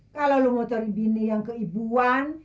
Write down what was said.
kalo lu mau cari bini yang keibuan